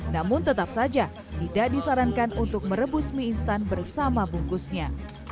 namun tetap saja tidak disarankan untuk merebus mie instan bersama bungkusnya